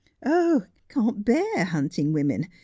' Can't bear hunting women.